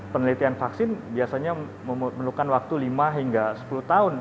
penelitian vaksin biasanya memerlukan waktu lima hingga sepuluh tahun